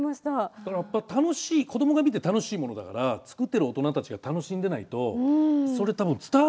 だからやっぱ楽しいこどもが見て楽しいものだから作ってる大人たちが楽しんでないとそれ多分伝わるんですよね。